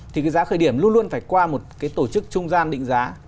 thì cái giá khởi điểm luôn luôn phải qua một cái tổ chức trung gian định giá